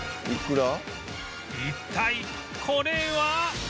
一体これは？